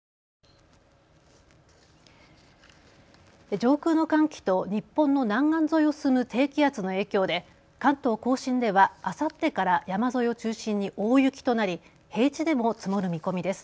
上空の寒気と日本の南岸沿いを進む低気圧の影響で関東甲信ではあさってから山沿いを中心に大雪となり平地でも積もる見込みです。